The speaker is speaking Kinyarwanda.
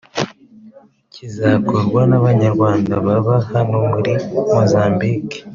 kizakorwa n’Abanyarwanda baba hano muri Mozambique